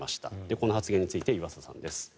この発言について湯浅さんです。